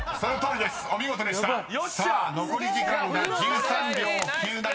［さあ残り時間が１３秒９７］